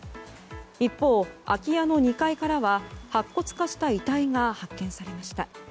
一方、空き家の２階からは白骨化した遺体が発見されました。